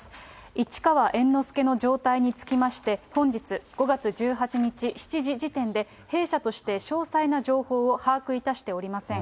市川猿之助の状態につきまして、本日５月１８日７時時点で、弊社として詳細な情報を把握いたしておりません。